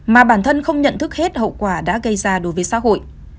mà bản thân không nhận thức hết hậu quả đã gây ra đối với xã hội